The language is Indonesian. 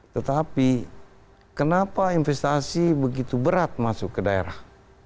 tetapi kenapa investasi begitu berat masuk ke daerah